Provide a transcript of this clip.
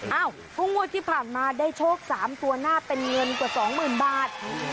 เมื่องวดที่ผ่านมาได้โชค๓ตัวหน้าเป็นเงินกว่า๒๐๐๐บาท